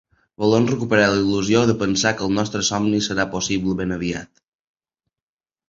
Volem recuperar la il·lusió de pensar que el nostre somni serà possible ben aviat.